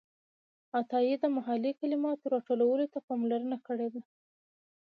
عطايي د محلي کلماتو راټولولو ته پاملرنه کړې ده.